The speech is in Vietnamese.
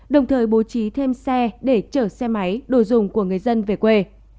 đồng thời bố trí thêm xe để chở xe máy đồ dùng của người dân về quê